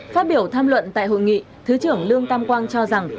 phát biểu tham luận tại hội nghị thứ trưởng lương tam quang cho rằng